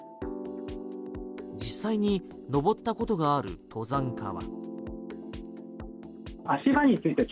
実際に登ったことがある登山家は。